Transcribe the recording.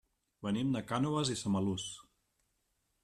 Venim de Cànoves i Samalús.